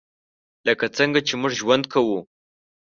لکه څنګه چې موږ ژوند کوو .